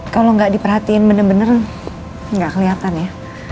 kalau gak diperhatiin bener bener gak keliatan ya